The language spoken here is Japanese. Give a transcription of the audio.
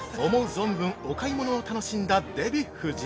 存分お買い物を楽しんだデヴィ夫人。